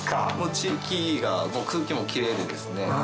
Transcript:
地域が空気もキレイでですね